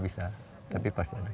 bisa tapi pasti akan berhasil